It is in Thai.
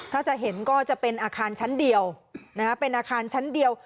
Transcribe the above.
ถ้าจะเห็นก็จะเป็นอาคารชั้นเดียวเป็นอาคารชั้นเดียว